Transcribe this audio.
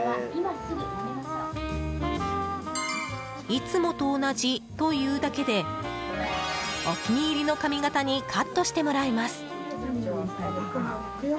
いつもと同じと言うだけでお気に入りの髪形にカットしてもらえます。